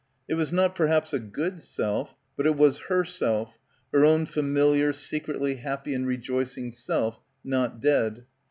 It was not perhaps a "good" self, but it was herself, her own familiar secretly happy and rejoicing self — not dead.